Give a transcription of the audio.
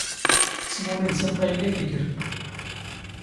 ⵜⵙⵎⵓⵏ ⵉⴷⵙ ⴰⵇⵇⴰⵢ ⵏ ⵉⴽⵉⴽⵔ.